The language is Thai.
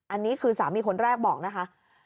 อันนี้คือสามีคนแรกบอกนะคะ